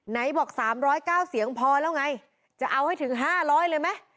ไหนบอก๓๐๙เสียงพอแล้วไงจะเอาให้ถึง๕๐๐เลยไหม